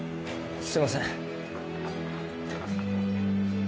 すみません。